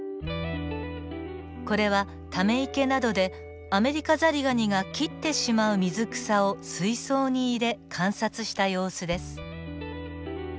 これはため池などでアメリカザリガニが切ってしまう水草を水槽に入れ観察した様子です。